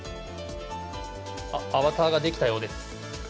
アバターができたようです。